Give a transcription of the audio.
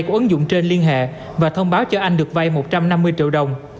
của ứng dụng trên liên hệ và thông báo cho anh được vay một trăm năm mươi triệu đồng